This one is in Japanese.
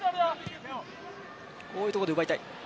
こういうところで奪いたい。